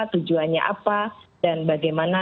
tujuannya apa dan bagaimana